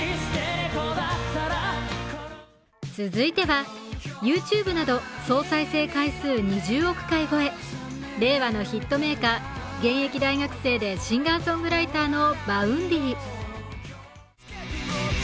続いてはＹｏｕＴｕｂｅなど総再生回数２０億回超え、令和のヒットメーカー現役大学生でシンガーソングライターのＶａｕｎｄｙ。